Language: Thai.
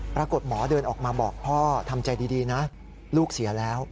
ปรากฏหมอเดินออกมาบอกพ่อทำใจดีนะลูกเสียแล้ว